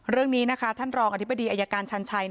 เรื่องนี้นะคะท่านรองอธิบดีอายการชันชัย